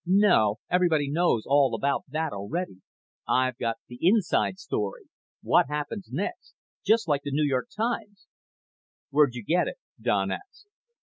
"No. Everybody knows all about that already. I've got the inside story what happens next. Just like The New York Times." "Where'd you get it?" Don asked.